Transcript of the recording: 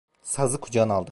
Sazı kucağına aldı.